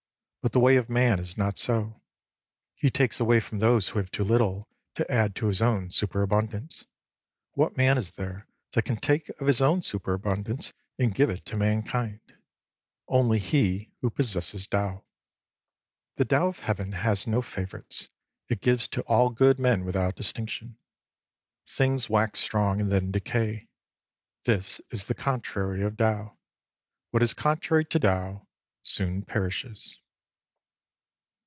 But the way of man is not so. He takes away from those who have too little, to add to his own superabundance. What man is there that can take of his own superabundance and give it to mankind ? Only he who possesses Tao. The Tao of Heaven has no favourites. It gives to all good men without distinction. Things wax strong and then decay. This is the contrary of Tao. What is contrary to Tao soon perishes.